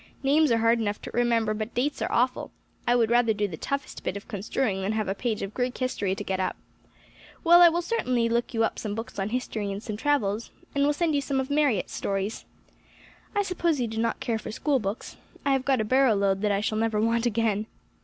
Names are hard enough to remember, but dates are awful; I would rather do the toughest bit of construing than have a page of Greek history to get up. Well, I will certainly look you up some books on history and some travels, and will send you some of Marryat's stories. I suppose you do not care for schoolbooks; I have got a barrow load that I shall never want again."